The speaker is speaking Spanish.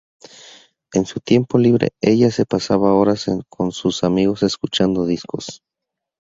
En su tiempo libre, ella se pasaba horas con sus amigos escuchando discos.